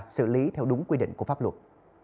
xử lý theo đúng quy định của pháp luật